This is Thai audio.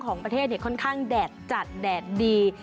ของประเทศค่อนข้างแดดจัดแดดดี